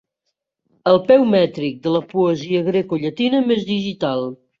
El peu mètric de la poesia grecollatina més digital.